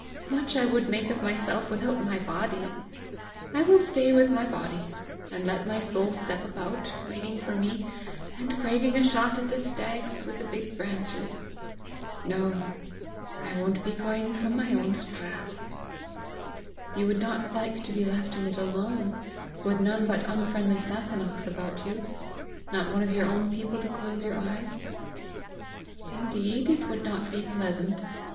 Much I would make of myself without my body! I will stay with my body, and let my soul step about, waiting for me, and craving a shot at the stags with the big branches! No, I won't be going from my own strath!" "You would not like to be left in it alone, with none but unfriendly Sasunnachs about you not one of your own people to close your eyes?" "Indeed it would not be pleasant.